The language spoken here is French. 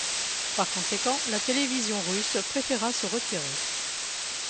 Par conséquent, la télévision russe préféra se retirer.